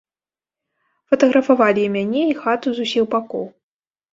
Фатаграфавалі і мяне, і хату з усіх бакоў.